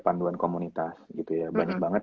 panduan komunitas gitu ya banyak banget